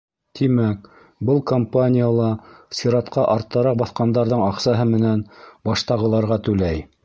Тимәк, был компания ла сиратҡа арттараҡ баҫҡандарҙың аҡсаһы менән баштағыларға түләй.